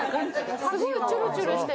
すごいチュルチュルしてる。